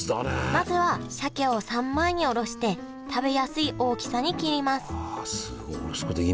まずは鮭を３枚におろして食べやすい大きさに切りますすごい。